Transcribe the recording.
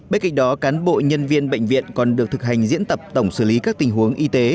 bên cạnh đó cán bộ nhân viên bệnh viện còn được thực hành diễn tập tổng xử lý các tình huống y tế